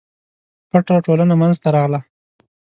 پټه ټولنه منځته راغله.